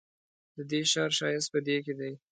ددې ښار ښایست په دې کې دی.